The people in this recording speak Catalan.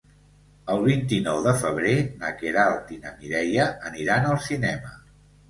El vint-i-nou de febrer na Queralt i na Mireia aniran al cinema.